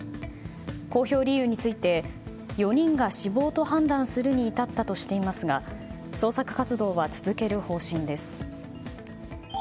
公表理由について４人が死亡と判断するに至ったとしていますが捜索活動は続ける方針です。